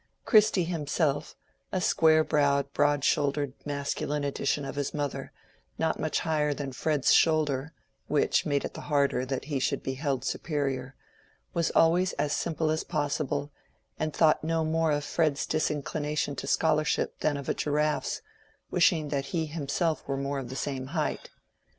Christy himself, a square browed, broad shouldered masculine edition of his mother not much higher than Fred's shoulder—which made it the harder that he should be held superior—was always as simple as possible, and thought no more of Fred's disinclination to scholarship than of a giraffe's, wishing that he himself were more of the same height.